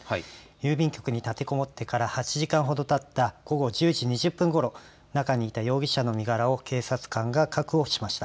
郵便局に立てこもってから８時間ほどたった午後１０時２０分ごろ中にいた容疑者の身柄を警察官が確保しました。